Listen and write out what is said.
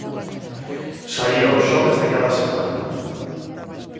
Saía os xoves de cada semana.